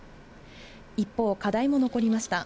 一方、課題も残りました。